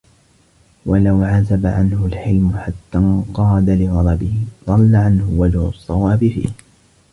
وَلَوْ عَزَبَ عَنْهُ الْحِلْمُ حَتَّى انْقَادَ لِغَضَبِهِ ضَلَّ عَنْهُ وَجْهُ الصَّوَابِ فِيهِ